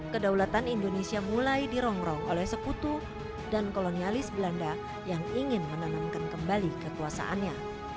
kedaulatan indonesia mulai dirongrong oleh sekutu dan kolonialis belanda yang ingin menanamkan kembali kekuasaannya